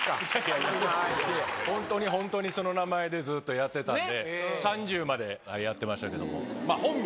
本当に本当にその名前でずっとやってたんで、３０までやってましたけども。